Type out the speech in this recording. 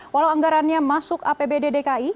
walau anggarannya masuk apbd dki